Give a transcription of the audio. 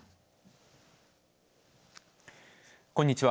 こんにちは。